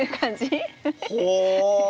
ほう！